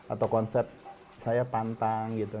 atau konsep saya pantang gitu